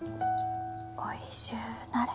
おいしゅうなれ。